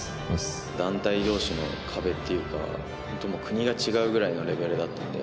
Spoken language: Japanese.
団体同士の壁というか国が違うくらいのレベルなので。